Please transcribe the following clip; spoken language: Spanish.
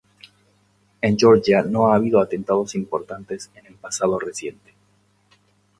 En Georgia no ha habido atentados importantes en el pasado reciente.